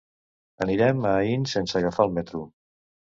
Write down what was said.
Anirem a Aín sense agafar el metro.